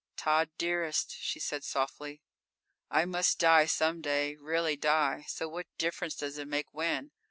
_ _"Tod, dearest," she said softly, "I must die some day, really die, so what difference does it make when?